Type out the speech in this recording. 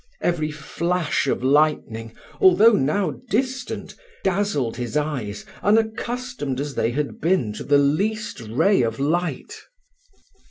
Every flash of lightning, although now distant, dazzled his eyes, unaccustomed as they had been to the least ray of light.